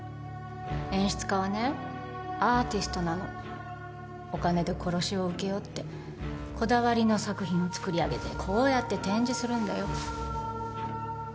演出家はねアーティストなのお金で殺しを請け負ってこだわりの作品を作り上げてこうやって展示するんだよ